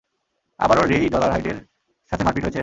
আবারো রেই ডলারহাইডের সাথে মারপিট হয়েছে?